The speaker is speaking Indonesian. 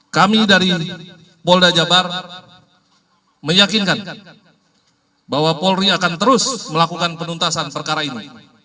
kami dari polda jabar meyakinkan bahwa polri akan terus melakukan penuntasan perkara ini